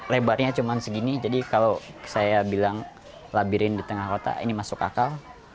lebarnya cuma segini jadi kalau saya bilang labirin di tengah kota ini masuk akal